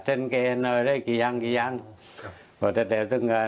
ว่ะชอบกันครับโยควะเรื่องทากละมา